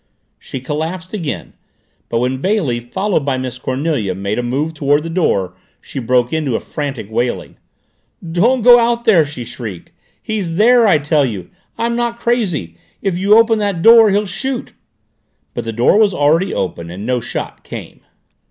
She collapsed again but when Bailey, followed by Miss Cornelia, made a move toward the door she broke into frantic wailing. "Don't go out there!" she shrieked. "He's there I tell you. I'm not crazy. If you open that door, he'll shoot." But the door was already open and no shot came.